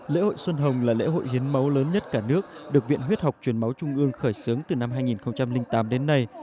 lễ hội xuân hồng là lễ hội hiến máu lớn nhất cả nước được viện huyết học truyền máu trung ương khởi xướng từ năm hai nghìn tám đến nay